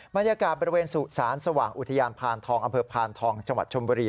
บรรยากาศบริเวณสุสานสว่างอุทยานพานทองอำเภอพานทองจังหวัดชมบุรี